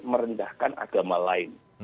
merendahkan agama lain